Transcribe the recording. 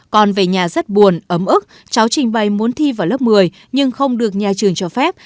con về nhà rất buồn ấm ức cháu trình bày muốn thi vào lớp một mươi nhưng không được nhà trường cho phép